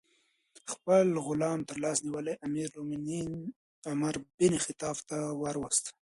خپل غلام ترلاس نیولی امیر المؤمنین عمر بن الخطاب ته وروست.